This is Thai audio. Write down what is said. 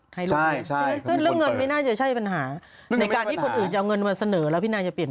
เรื่องเงินไม่น่าจะใช่ปัญหาในการที่คนอื่นจะเอาเงินมาเสนอแล้วพี่นายจะเปลี่ยน